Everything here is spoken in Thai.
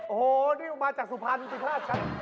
โอ้โฮมาจากสุพรรษปิภาพชั้น